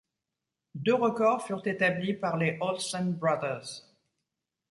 Deux records furent établis par les Olsen Brothers.